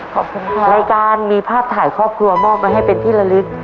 ขอบคุณค่ะรายการมีภาพถ่ายครอบครัวมอบไว้ให้เป็นที่ละลึก